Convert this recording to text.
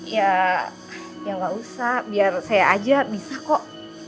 ya gak usah biar saya aja bisa kok